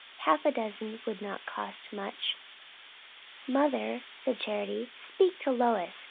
Half a dozen would not cost much." "Mother," said Charity, "speak to Lois!